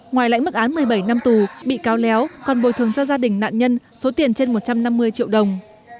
ngoài lãnh mức án một mươi bảy năm tù bị cáo léo còn bồi thường cho gia đình nạn nhân số tiền trên một trăm năm mươi triệu đồng